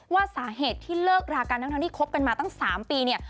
ว่าสาเหตุที่เลิกรากันทั้งที่คบกันมาตั้ง๓ปีเนี่ย